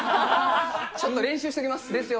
ちょっと練習しときます。